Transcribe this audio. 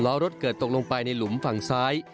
รถเกิดตกลงไปในหลุมฝั่งซ้าย